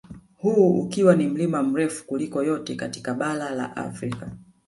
Huu ukiwa ni mlima mrefu kuliko yote katika bara la Afrika